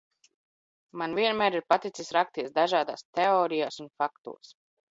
Man vienmēr ir paticis rakties dažādās teorijās un faktos.